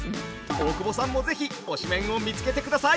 大久保さんも是非推しメンを見つけてください。